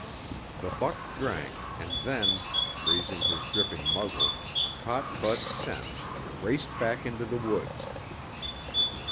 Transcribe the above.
The buck drank and then, raising his dripping muzzle, caught Bud's scent and raced back into the woods.